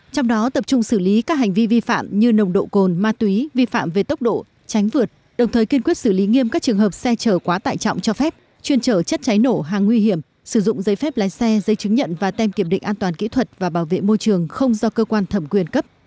trong đó tập trung xử lý các hành vi vi phạm như nồng độ cồn ma túy vi phạm về tốc độ tránh vượt đồng thời kiên quyết xử lý nghiêm các trường hợp xe chở quá tải trọng cho phép chuyên chở chất cháy nổ hàng nguy hiểm sử dụng giấy phép lái xe giấy chứng nhận và tem kiểm định an toàn kỹ thuật và bảo vệ môi trường không do cơ quan thẩm quyền cấp